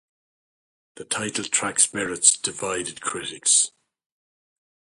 The title track's merits divided critics.